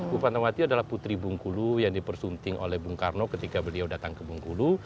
bufat mawati adalah putri bungkulu yang dipersunting oleh bungkulu ketika beliau datang ke bungkulu